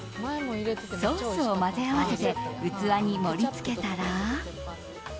ソースを混ぜ合わせて器に盛り付けたら。